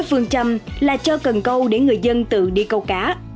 phương châm là cho cần câu để người dân tự đi câu cá